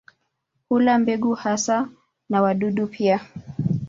Hula mbegu hasa na wadudu pia.